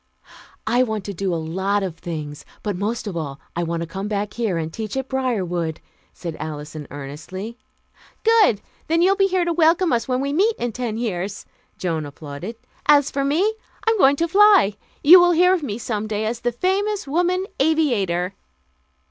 "I want to do a lot of things, but most of all, I want to come back here and teach at Briarwood," said Alison earnestly. "Good! Then you'll be here to welcome us when we meet in ten years," Joan applauded. "As for me, I'm going to fly.... You will hear of me some day as the famous woman aviator."